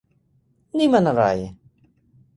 นี่มันอะไร ?